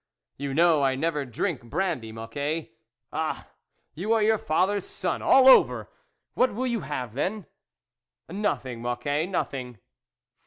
" You know I never drink brandy, Mocquet." " Ah, you are your father's son, all over ! What will you have, then ?"" Nothing, Mocquet, nothing."